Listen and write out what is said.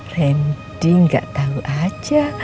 ren di gak tahu aja